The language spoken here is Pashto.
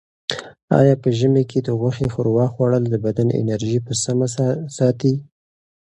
آیا په ژمي کې د غوښې ښوروا خوړل د بدن انرژي په سمه ساتي؟